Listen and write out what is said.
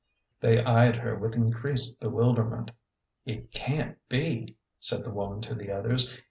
They eyed her with increased bewilderment. " It can't be," said the woman to the others.